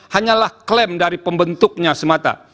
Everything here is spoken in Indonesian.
hanyalah klaim dari pembentuknya semata